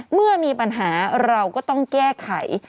เมื่อมีปัญหาเราก็ต้องแก้ไข